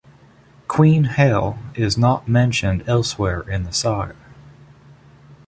"Queen Hel" is not mentioned elsewhere in the saga.